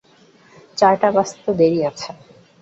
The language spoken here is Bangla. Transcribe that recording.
চারটা বাজতে তো দেরি আছে।